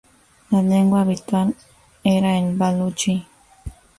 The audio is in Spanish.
La lengua habitual era el baluchi.